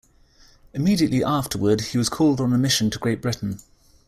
Immediately afterward, he was called on a mission to Great Britain.